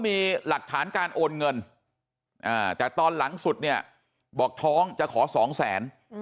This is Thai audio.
มีหลักฐานการโอนเงินแต่ตอนหลังสุดเนี่ยบอกท้องจะขอสองแสน